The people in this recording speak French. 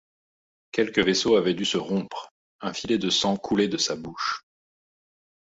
Quelque vaisseau avait dû se rompre, un filet de sang coulait de sa bouche.